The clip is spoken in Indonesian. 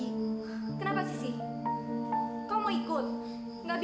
ibu mana sisi pusing bu